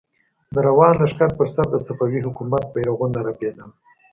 د روان لښکر پر سر د صفوي حکومت بيرغونه رپېدل.